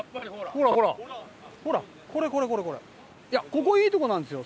ここいいとこなんですよ。